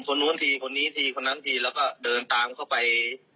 คนนู้นทีคนนี้ทีคนนั้นทีแล้วก็เดินตามเข้าไป